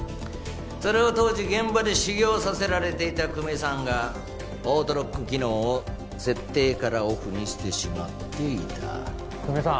それを当時現場で修業させられていた久米さんがオートロック機能を設定からオフにしてしまっていた久米さん